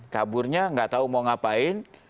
kaburnya nggak tahu mau ngapain